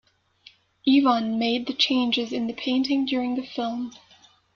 Ivan made the changes in the painting during the film.